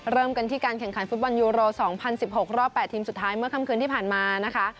เริ่มกันที่การแข่งขันฟุตบอลยูโร๒๐๑๖รอบ๘ทีมสุดท้ายเมื่อค่ำคืนที่ผ่านมานะคะ